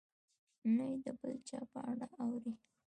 نه یې د بل چا په اړه اوري.